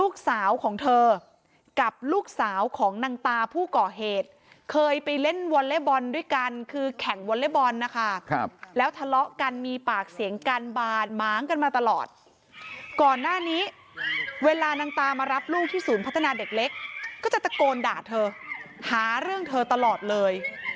กันบาดหมางกันมาตลอดก่อนหน้านี้เวลานางตามารับลูกที่ศูนย์พัฒนาเด็กเล็กก็จะตะโกนด่าเธอหาเรื่องเธอตลอดเลย